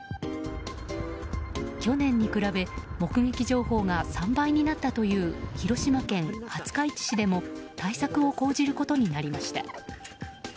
去年に比べ目撃情報が３倍になったという広島県廿日市市でも対策を講じることになりました。